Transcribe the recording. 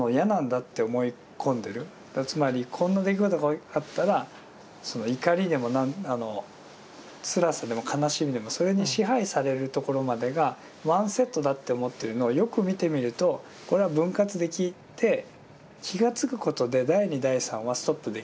つまりこんな出来事があったら怒りでもつらさでも悲しみでもそれに支配されるところまでがワンセットだって思ってるのをよく見てみるとこれは分割できて気がつくことで第二第三はストップできる。